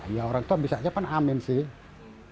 ya orang tua bisa aja kan amen sih